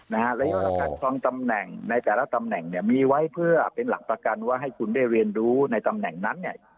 ระยะการครองตำแหน่งในแต่ละตำแหน่งเนี่ยมีไว้เพื่อเป็นหลักประกันว่าให้คุณได้เรียนรู้ในตำแหน่งนั้นเนี่ย